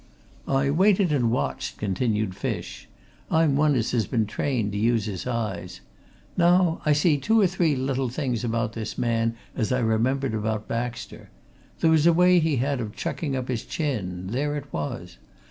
"I waited and watched," continued Fish. "I'm one as has been trained to use his eyes. Now, I see two or three little things about this man as I remembered about Baxter. There was a way he had of chucking up his chin there it was!